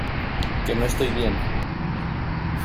que no estoy bien.